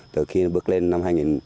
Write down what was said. từ khi bước lên năm hai nghìn một mươi